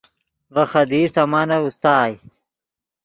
ڤے خدیئی سامانف اوستائے